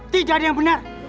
tidak ada yang benar